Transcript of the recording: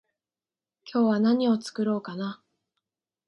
今日は何を作ろうかな？